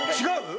違う？